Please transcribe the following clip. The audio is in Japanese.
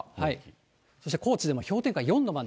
そして高知でも氷点下４度まで。